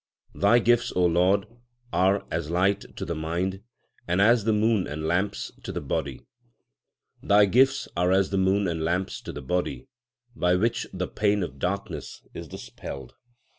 Thy gifts, Lord, are as light to the mind, and as the moon and lamps to the body. 1 Sri Rag. LIFE OF GURU NANAK 99 Thy gifts are as the moon and lamps to the body, by which the pain of darkness is dispelled.